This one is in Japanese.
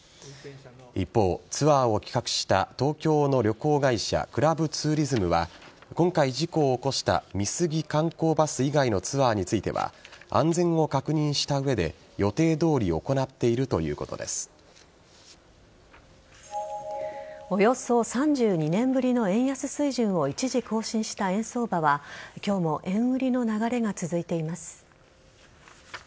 一方ツアーを企画した東京の旅行会社クラブツーリズムは今回、事故を起こした美杉観光バス以外のツアーについては安全を確認した上で予定どおり行っているおよそ３２年ぶりの円安水準を一時更新した円相場は今日も円売りの流れが続いています。